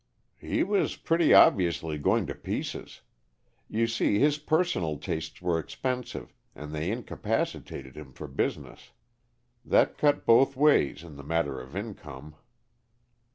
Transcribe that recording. "He was pretty obviously going to pieces. You see, his personal tastes were expensive, and they incapacitated him for business. That cut both ways, in the matter of income."